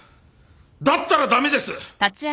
だったら駄目です！